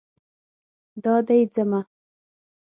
دا دی ځمه